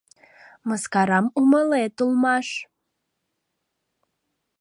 — Мыскарам умылет, улмаш.